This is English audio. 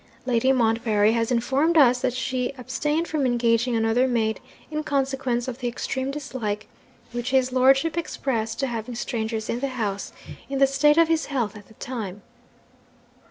Lady Montbarry has informed us that she abstained from engaging another maid in consequence of the extreme dislike which his lordship expressed to having strangers in the house, in the state of his health at that time.